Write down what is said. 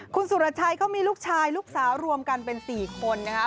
คุณสุรชัยเขามีลูกชายลูกสาวรวมกันเป็น๔คนนะคะ